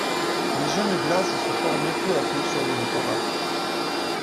Les jeunes glaces se formaient peu à peu sur le littoral.